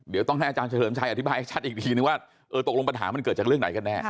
เดี๋ยวต้องให้อาจารย์เฉลิมชัยอธิบายให้ชัดอีกทีนึงว่าเออตกลงปัญหามันเกิดจากเรื่องไหนกันแน่